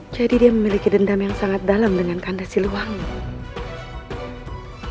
jadi dia memiliki dendam yang sangat dalam dengan kandasiluwangi